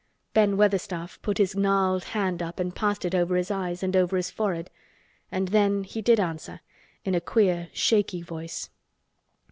Ben Weatherstaff put his gnarled hand up and passed it over his eyes and over his forehead and then he did answer in a queer shaky voice.